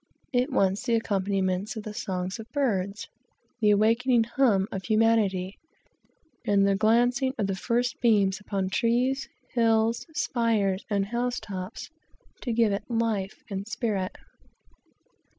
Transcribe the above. It wants the accompaniments of the songs of birds, the awakening hum of men, and the glancing of the first beams upon trees, hills, spires, and house tops, to give it life and spirit.